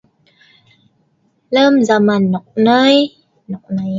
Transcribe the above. Lem zaman nok nai, nok nai